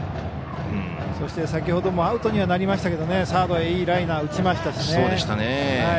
そして、先ほどもアウトにはなりましたけどサードへいいライナー打ちましたしね。